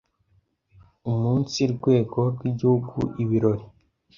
Umunsi rwego rw’Igihugu Ibirori